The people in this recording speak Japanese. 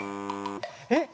えっ